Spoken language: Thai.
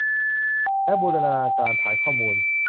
และบูรณาการฐานข้อมูล